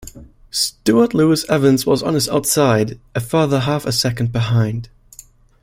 Stuart Lewis-Evans was on his outside, a further half-a-second behind.